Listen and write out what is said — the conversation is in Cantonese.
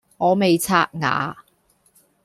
我未刷牙